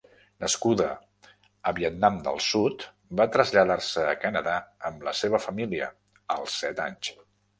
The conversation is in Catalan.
Nascuda a Vietnam del Sud, va traslladar-se a Canadà amb la seva família als set anys.